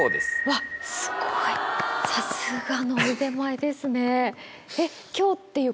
すごいさすがの腕前ですね。